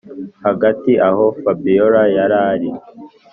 hagati aho fabiora yarari